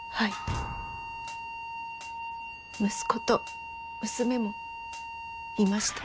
息子と娘もいました。